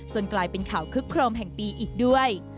กลายเป็นข่าวคึกโครมแห่งปีอีกด้วย